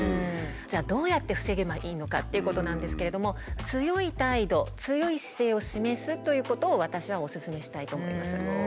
じゃあどうやって防げばいいのかっていうことなんですけれども。を示すということを私はお勧めしたいと思います。